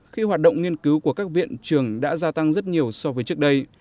khi hoạt động nghiên cứu của các viện trường đã gia tăng rất nhiều so với trước đây